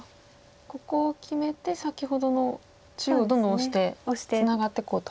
ここを決めて先ほどの中央どんどんオシてツナがっていこうと。